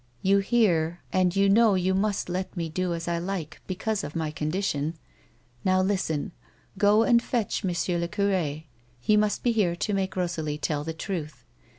You hear, I will know it, and you know, you must let me do as I like, be cause of my condition. Now listen ; go and fetch M. le cure ; he must be here to make Rosalie tell the truth.